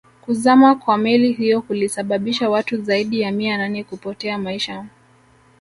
Kuzama kwa meli hiyo kulisababisha watu zaidi ya mia nane kupoteza maisha